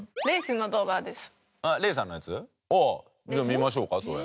じゃあ見ましょうかそれ。